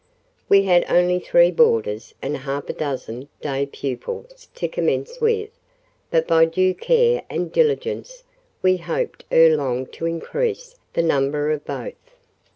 We had only three boarders and half a dozen day pupils to commence with; but by due care and diligence we hoped ere long to increase the number of both.